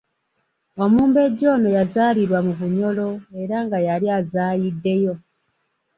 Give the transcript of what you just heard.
Omumbejja ono yazaalirwa mu Bunyoro era nga yali azaayiddeyo.